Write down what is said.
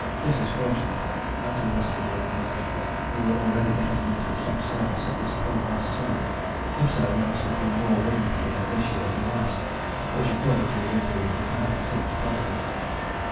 This is fortunate, and to the best of my recollection we were already getting on to a soft surface at this point last summer. If so there must have been more wind here this year than last, which, according to the winter we have had, seems probable.